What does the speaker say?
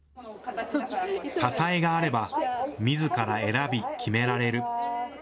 支えがあればみずから選び、決められる。